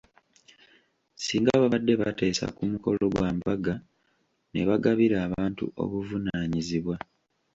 Singa babadde bateesa ku mukolo gwa mbaga, ne bagabira abantu obuvunaanyizibwa.